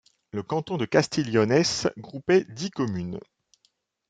Le canton de Castillonnès groupait dix communes.